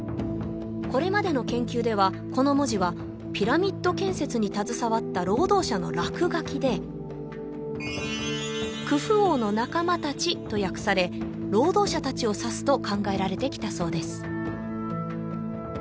これまでの研究ではこの文字はピラミッド建設に携わった労働者の落書きでクフ王の仲間達と訳され労働者達を指すと考えられてきたそうです